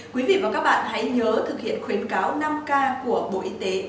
quý vị và các bạn hãy nhớ thực hiện khuyến cáo năm k của bộ y tế